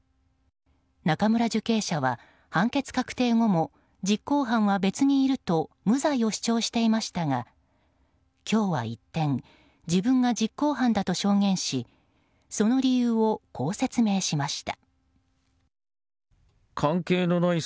中村受刑者は、判決確定後も実行犯は別にいると無罪を主張していましたが今日は一転自分が実行犯だと証言しその理由をこう説明しました。